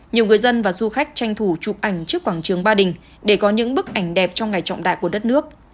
nhiều người dân và du khách tranh thủ chụp ảnh trước quảng trường ba đình để có những bức ảnh đẹp trong ngày trọng đại của đất nước